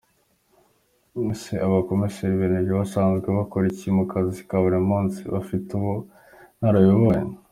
Ese abakomiseri bemejwe basanzwe bakora iki mu kazi ka buri munsi? Bafite ubu bunararibonye?.